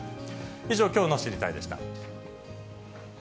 以上、きょうの知りたいッ！でした。